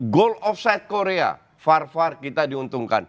goal offset korea far far kita diuntungkan